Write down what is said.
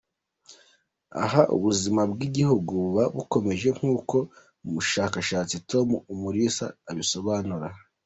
Aha ubuzima bw’igihugu buba bukomeje nk’uko umushakashatsi Tom Umulisa abisobanura.